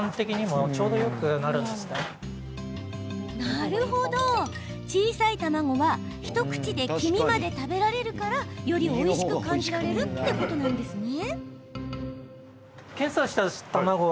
なるほど、小さい卵は一口で黄身まで食べられるからよりおいしく感じられるってことですね。